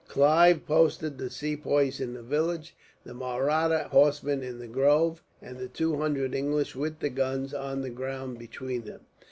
Clive posted the Sepoys in the village, the Mahratta horsemen in the grove, and the two hundred English, with the guns, on the ground between them.